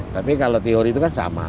tapi kalau teori itu kan sama